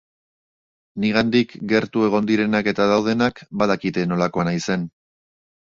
Nigandik gertu egon direnak eta daudenak, badakite nolakoa naizen.